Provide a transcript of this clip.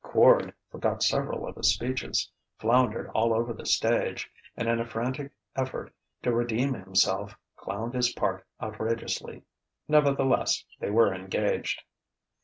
Quard forgot several of his speeches, floundered all over the stage, and in a frantic effort to redeem himself clowned his part outrageously. Nevertheless they were engaged.